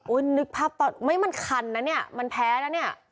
นึกภาพตอนไม่มันคันนะเนี่ยมันแพ้แล้วเนี่ย